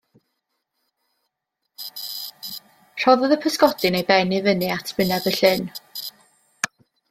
Rhoddodd y pysgodyn ei ben i fyny at wyneb y llyn.